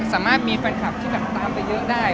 สามารถมีเกิดแฟนคาร์บที่ตามไปได้